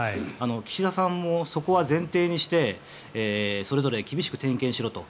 岸田さんもそこは前提にしてそれぞれ厳しく点検しろと。